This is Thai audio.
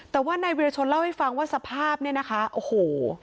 แต่ว่านายวิรชนเล่าให้ฟังว่าสภาพเนี่ยนะคะโอ้โห